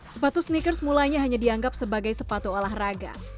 sepatu sneakers mulanya hanya dianggap sebagai sepatu olahraga